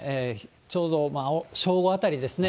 ちょうど正午あたりですね。